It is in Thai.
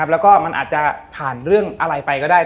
แล้วก็มันอาจจะผ่านเรื่องอะไรไปก็ได้